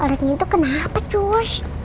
orang itu kenapa cus